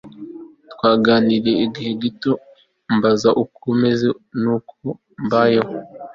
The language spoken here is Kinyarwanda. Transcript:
twaganiriye igihe gito ambaza uko meze nuko mbayeho